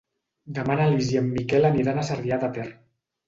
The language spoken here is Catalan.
Demà na Lis i en Miquel aniran a Sarrià de Ter.